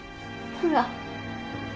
ほら。